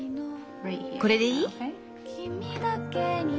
これでいい？